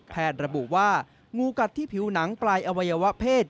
ระบุว่างูกัดที่ผิวหนังปลายอวัยวะเพศ